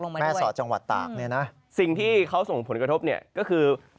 แม่สอดจังหวัดตากเนี่ยนะสิ่งที่เขาส่งผลกระทบเนี่ยก็คือ